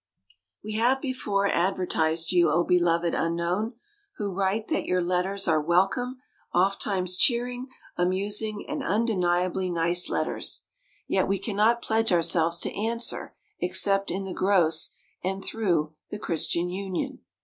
We have before advertised you, O beloved unknown! who write, that your letters are welcome, ofttimes cheering, amusing, and undeniably nice letters; yet we cannot pledge ourselves to answer, except in the gross, and through "The Christian Union."